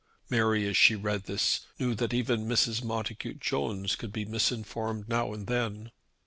Mary, as she read this, knew that even Mrs. Montacute Jones could be misinformed now and then.